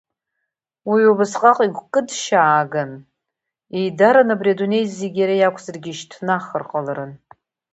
Уи убасҟак игәкыдшьааган, еидаран абри адунеи зегь иара иақәзаргьы ишьҭнахыр ҟаларын.